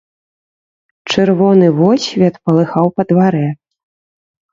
Чырвоны водсвет палыхаў па дварэ.